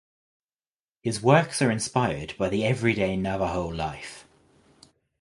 His works are inspired by the everyday Navajo life.